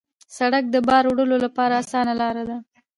سړک د بار وړلو لپاره اسانه لاره ده.